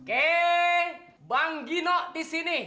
oke bang gino disini